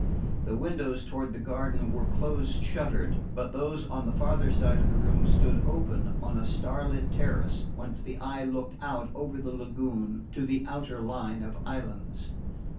The windows toward the garden were close shuttered, but those on the farther side of the room stood open on a starlit terrace whence the eye looked out over the lagoon to the outer line of islands.